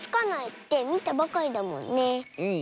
うん。